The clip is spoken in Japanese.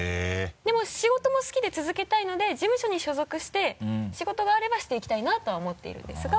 でも仕事も好きで続けたいので事務所に所属して仕事があればしていきたいなとは思っているんですが。